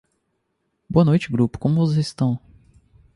Boa noite grupo, como vocês estão?